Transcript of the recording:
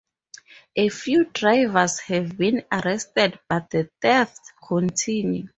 A few drivers have been arrested but the thefts continue.